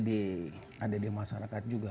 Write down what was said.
ada di masyarakat juga